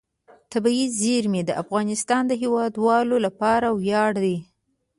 طبیعي زیرمې د افغانستان د هیوادوالو لپاره ویاړ دی.